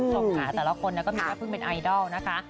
หลบหาแต่ละคนแล้วก็มีแม่พึ่งเป็นไอดอลนะคะ